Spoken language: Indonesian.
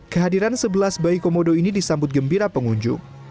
kehadiran sebelas bayi komodo ini disambut gembira pengunjung